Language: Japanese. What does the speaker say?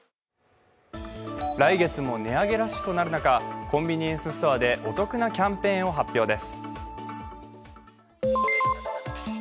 来月も値上げラッシュとなる中、コンビニエンスストアでお得なキャンペーンを発表です。